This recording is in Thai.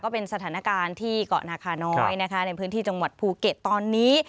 เป็นสถานการณ์ที่เกาะนาคาน้อยนะคะในพื้นที่จังหวัดภูเก็ตตอนนี้